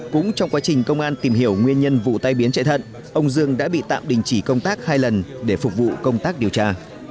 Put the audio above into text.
cũng trong quá trình công an tìm hiểu nguyên nhân vụ tai biến chạy thận ông dương đã bị tạm đình chỉ công tác hai lần để phục vụ công tác điều tra